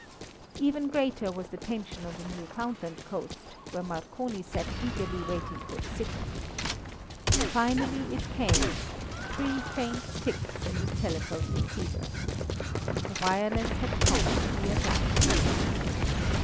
Even greater was the tension on the Newfoundland coast, where Marconi sat eagerly waiting for the signal. Finally it came, three faint ticks in the telephone receiver. The wireless had crossed the Atlantic.